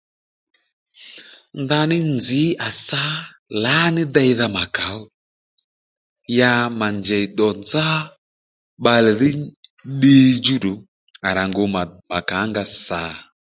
Ndaní nzǐ à sǎ lǎní deydha mà kàó ya mà njèy dò nzá bbalè dhí ddiy djúddù à rà ngu mà kaónga sà